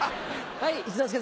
はい。